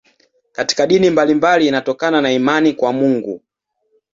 Katika dini mbalimbali inatokana na imani kwa Mungu.